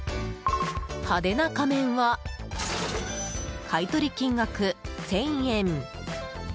派手な仮面は買い取り金額１０００円。